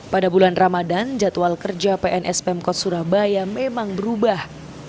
pada bulan ramadan jadwal kerja pns pemkot surabaya memang berubah